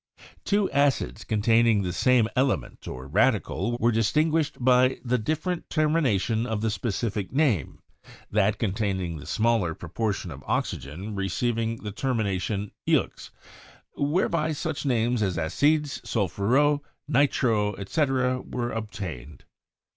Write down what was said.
Two acids containing the same element or radical were distinguished by the different ter mination of the specific name; that containing the smaller proportion of oxygen receiving the termination 'eux,' whereby such names as 'acides sulfureux, nitreux, etc., were obtained.